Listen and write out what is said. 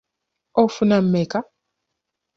Ofuna mmeka?